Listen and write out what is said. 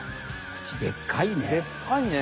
クチでっかいね。